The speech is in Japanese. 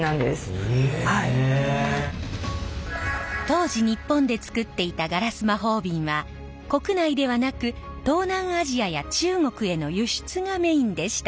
当時日本でつくっていたガラス魔法瓶は国内ではなく東南アジアや中国への輸出がメインでした。